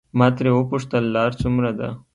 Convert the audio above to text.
ما ترې وپوښتل لار څومره ده.